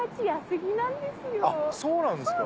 そうなんですか。